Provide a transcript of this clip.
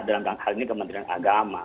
dalam hal ini kementerian agama